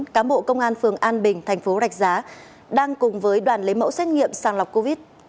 một cán bộ công an phường an bình thành phố rạch giá đang cùng với đoàn lấy mẫu xét nghiệm sàng lọc covid